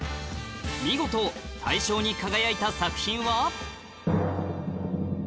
見事大賞に輝いた作品は？